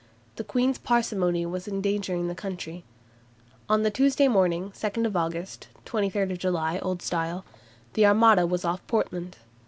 The Queen's parsimony was endangering the country. On the Tuesday morning, 2 August (23 July, Old Style), the Armada was off Portland.